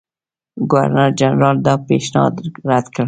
ګورنرجنرال دا پېشنهاد رد کړ.